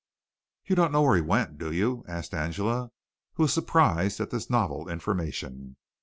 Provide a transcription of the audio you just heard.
"You don't know where he went, do you?" asked Angela, who was surprised at this novel information.